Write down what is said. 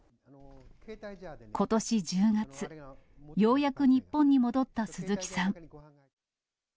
ことし１０月、ようやく日本に戻った鈴木さん。